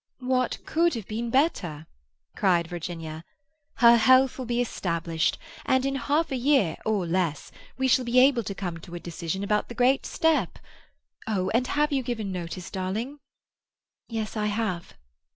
"What could have been better?" cried Virginia. "Her health will be established, and in half a year, or less, we shall be able to come to a decision about the great step. Oh, and have you given notice, darling?" "Yes, I have."